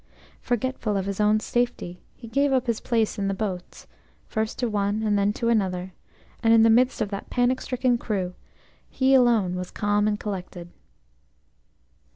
Forgetful of his own safety, he gave up his place in the boats, first to one and then to another, and in the midst of that panic stricken crew he alone was calm and collected.